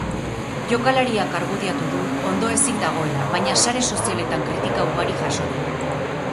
Jokalariak argudiatu du ondoezik dagoela, baina sare sozialetan kritika ugari jaso ditu.